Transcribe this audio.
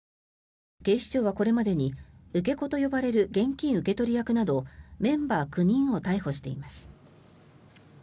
警視庁はこれまでに受け子と呼ばれる現金受け取り役などメンバー９人を逮捕しています。